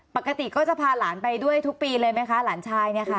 ปกติก็จะพาหลานไปด้วยทุกปีเลยไหมคะหลานชายเนี่ยค่ะ